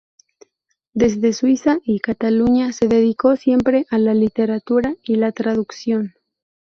Desde Suiza y Cataluña se dedicó siempre a la literatura y la traducción.